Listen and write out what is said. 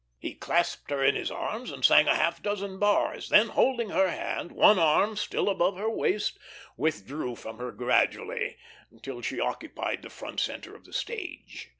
He clasped her in his arms and sang a half dozen bars, then holding her hand, one arm still about her waist, withdrew from her gradually, till she occupied the front centre of the stage.